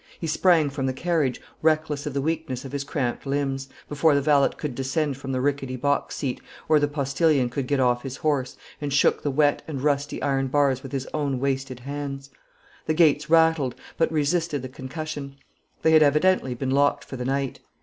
He sprang from the carriage, reckless of the weakness of his cramped limbs, before the valet could descend from the rickety box seat, or the postillion could get off his horse, and shook the wet and rusty iron bars with his own wasted hands. The gates rattled, but resisted the concussion; they had evidently been locked for the night.